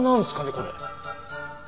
これ。